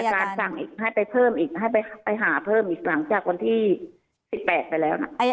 การสั่งอีกให้ไปเพิ่มอีกให้ไปหาเพิ่มอีกหลังจากวันที่๑๘ไปแล้วนะ